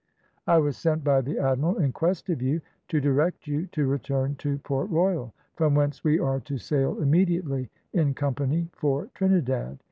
"I was sent by the admiral in quest of you, to direct you to return to Port Royal, from whence we are to sail immediately in company for Trinidad.